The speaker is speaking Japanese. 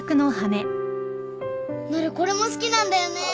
なるこれも好きなんだよね。